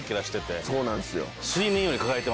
そうなんすよ。